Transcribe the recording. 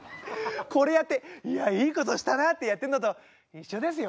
これやって「いやいいことしたな」ってやってんのと一緒ですよ。